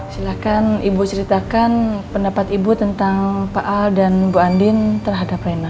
silahkan ibu ceritakan pendapat ibu tentang pak al dan bu andin terhadap lena